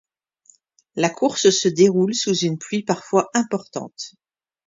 La course de déroule sous une pluie parfois importante.